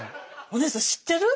お姉さん知ってる？